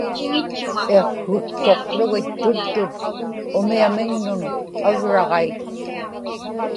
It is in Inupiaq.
iqsruktuqługit tuttut umiamiŋnun agraġait